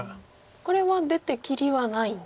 これは出て切りはないんですね。